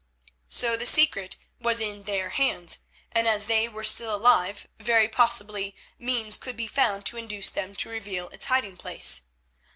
So the secret was in their hands, and as they were still alive very possibly means could be found to induce them to reveal its hiding place.